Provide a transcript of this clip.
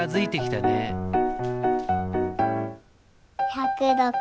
１０６。